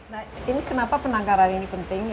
nah ini kenapa penangkaran ini penting